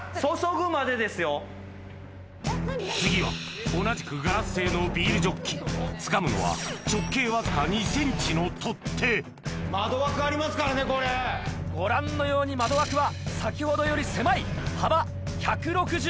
次は同じくガラス製のビールジョッキつかむのは直径わずか２ｃｍの取っ手ご覧のように窓枠は先ほどより狭い幅１６５ｃｍ！